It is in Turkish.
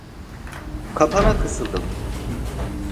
Kapana kısıldım.